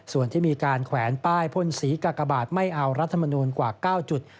ส่วนที่มีการแขวนป้ายพ่นสีกากบาทไม่เอารัฐมนูลกว่า๙จุด